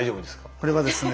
これはですね